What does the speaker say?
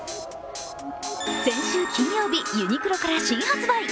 先週金曜日、ユニクロから新発売。